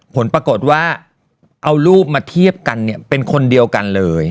ผลปรากฏว่าเอารูปมาเทียบกันเนี่ยเป็นคนเดียวกันเลย